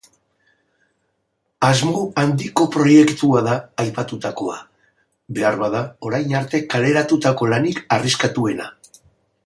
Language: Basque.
Asmo handiko proiektua da aipatutakoa, beharbada orain arte kaleratutako lanik arriskatuena.